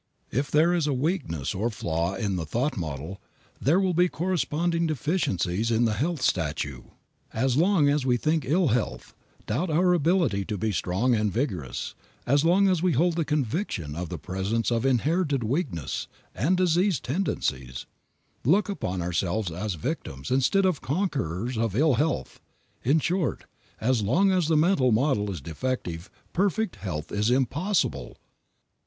If there is a weakness or flaw in the thought model, there will be corresponding deficiencies in the health statue. As long as we think ill health, doubt our ability to be strong and vigorous, as long as we hold the conviction of the presence of inherited weaknesses and disease tendencies, look upon ourselves as victims instead of conquerors of ill health, in short, as long as the mental model is defective perfect health is impossible.